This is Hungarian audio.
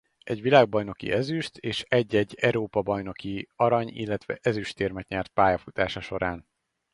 Egy világbajnoki ezüst- és egy-egy Európa-bajnoki arany- illetve ezüstérmet nyert pályafutása során.